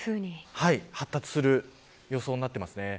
発達する予想になっています。